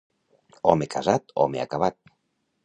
Home casat, home acabat.